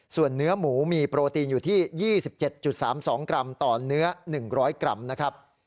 ส่วนเนื้อหมูมีโปรตีนอยู่ที่๒๗๓๒กรัมต่อเนื้อ๑๐๐กรัมนะครับ